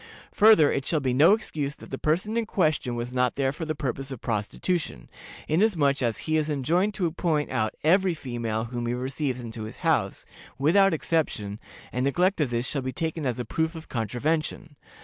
Further, it shall be no excuse that the person in question was not there for the purpose of prostitution, inasmuch as he is enjoined to point out every female whom he receives into his house, without exception, and neglect of this shall be taken as a proof of contravention.